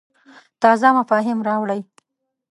تازه مفاهیم راوړې.